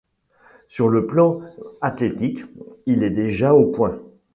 Sur le plan athlétique, il est déjà au point.